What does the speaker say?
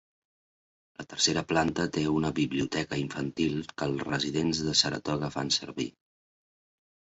La tercera planta té una biblioteca infantil que els residents de Saratoga fan servir.